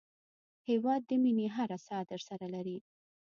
هېواد د مینې هره ساه درسره لري.